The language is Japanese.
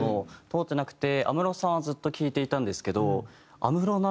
通ってなくて安室さんはずっと聴いていたんですけど。